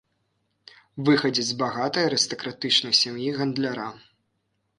Выхадзец з багатай арыстакратычнай сям'і гандляра.